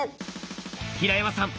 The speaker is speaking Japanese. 平山さん